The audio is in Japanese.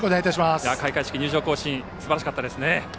開会式、入場行進すばらしかったですね。